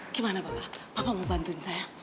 gimana bapak mau bantuin saya